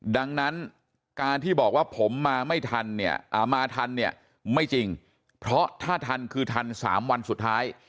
ดังนั้นการที่บอกว่าผมมาไม่ทันเนี่ยมาทันเนี่ยไม่จริงเพราะถ้าทันคือทัน๓วันสุดท้าย